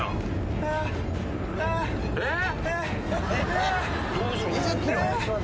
えっ？